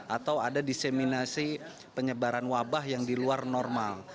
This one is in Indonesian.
atau ada diseminasi penyebaran wabah yang di luar normal